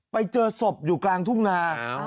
ไปเจอศพอยู่กลางทุ่งนา